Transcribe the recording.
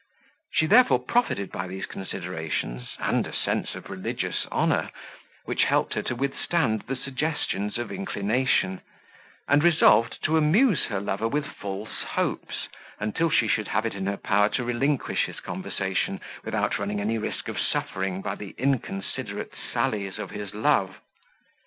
She therefore profited by these considerations, and a sense of religious honour, which helped her to withstand the suggestions of inclination; and resolved to amuse her lover with false hopes, until she should have it in her power to relinquish his conversation, without running any risk of suffering by the inconsiderate sallies of his love.